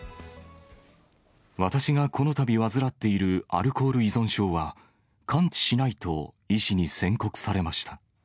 私がこのたび患っているアルコール依存症は、完治しないと医師に宣告されました。